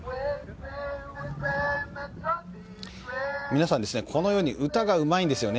皆さん、このように歌がうまいんです。